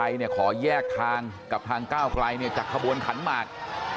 ท่อไทยอยากแยกทางกับทางก้าวกลายจะขบวนขันหมาก